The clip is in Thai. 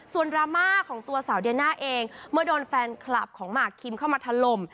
ส่วนดราม่าของตัวสาวเดียน่าเองเมื่อโดนแฟนคลับของหมากคิมเข้ามาถล่ม